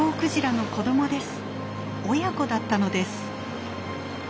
親子だったのです。